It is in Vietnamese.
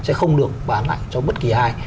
sẽ không được bán lại cho bất kỳ ai